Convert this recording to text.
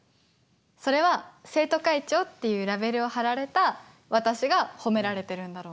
それは生徒会長っていうラベルを貼られた私が褒められてるんだろうな。